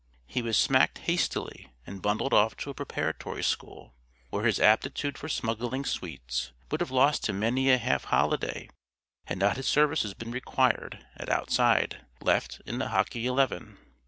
He was smacked hastily and bundled off to a preparatory school, where his aptitude for smuggling sweets would have lost him many a half holiday had not his services been required at outside left in the hockey eleven.